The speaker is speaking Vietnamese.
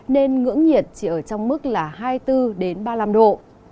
nên ngưỡng nhiệt chỉ ở trong mức hai mươi bốn đến ba mươi năm độ